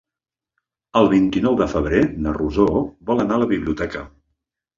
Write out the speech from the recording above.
El vint-i-nou de febrer na Rosó vol anar a la biblioteca.